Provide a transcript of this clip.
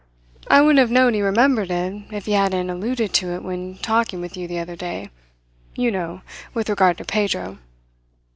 I wouldn't have known he remembered it if he hadn't alluded to it when talking with you the other day you know, with regard to Pedro."